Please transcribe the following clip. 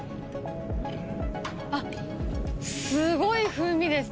あっすごい風味です